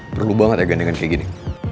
perlu banget ya gandengan kayak gini